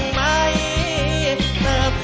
ขอบคุณครับ